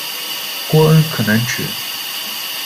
郭恩可能指：